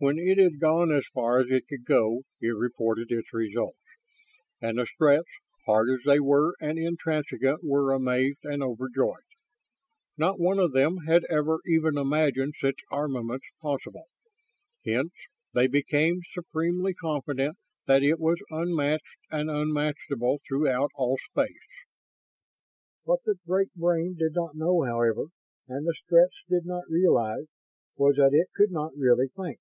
When it had gone as far as it could go, it reported its results and the Stretts, hard as they were and intransigent, were amazed and overjoyed. Not one of them had ever even imagined such armaments possible. Hence they became supremely confident that it was unmatched and unmatchable throughout all space. What the Great Brain did not know, however, and the Stretts did not realize, was that it could not really think.